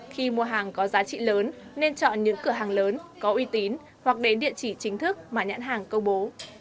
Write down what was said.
khi mua hàng có giá trị lớn nên chọn những cửa hàng lớn có uy tín hoặc đến địa chỉ chính thức mà nhãn hàng công bố